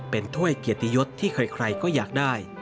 เป็นถ้วยเกียรติยศที่ใครก็อยากได้